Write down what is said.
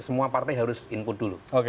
semua partai harus input dulu